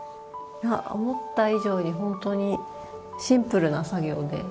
思った以上に本当にシンプルな作業で。